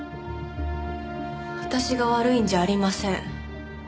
私が悪いんじゃありません。